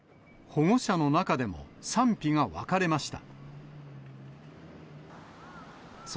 保護者の中でも賛否が分かれました。